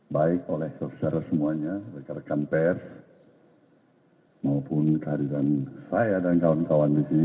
baik oleh saudara semuanya rekan rekan pers maupun kehadiran saya dan kawan kawan di sini